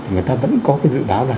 người ta vẫn có cái dự báo là